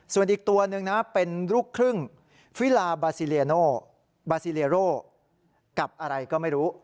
ส่วนอีกตัวหนึ่งเป็นลูกครึ่งฟิลาบาซิเลโรกับอะไรก็ไม่รู้